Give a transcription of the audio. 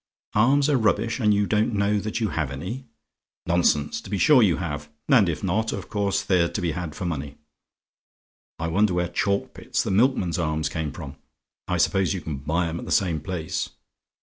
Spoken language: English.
"ARMS ARE RUBBISH; AND YOU DON'T KNOW THAT YOU HAVE ANY? "Nonsense: to be sure you have and if not, of course they're to be had for money. I wonder where Chalkpit's, the milkman's arms, came from? I suppose you can buy 'em at the same place.